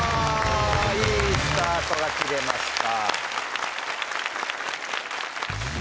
いいスタートが切れました。